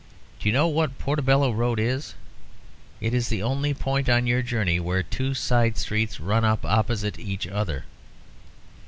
Do you know what Portobello Road is? It is the only point on your journey where two side streets run up opposite each other.